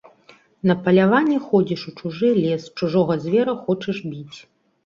На паляванне ходзіш у чужы лес, чужога звера хочаш біць.